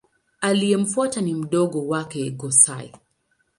Aliyemfuata ni mdogo wake Go-Sai.